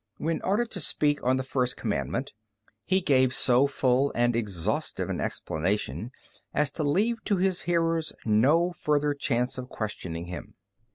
When ordered to speak on the first commandment, he gave so full and exhaustive an explanation as to leave to his hearers no further chance of questioning him.